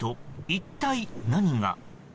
一体、何が？